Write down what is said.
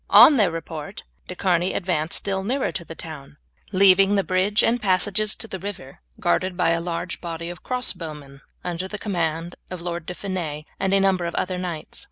On their report De Charny advanced still nearer to the town, leaving the bridge and passages to the river guarded by a large body of crossbow men under the command of the Lord De Fiennes and a number of other knights.